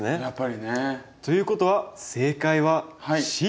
やっぱりね。ということは正解はＣ。